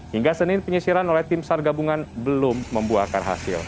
hingga senin penyesiran oleh tim sargabungan belum membuahkan hasil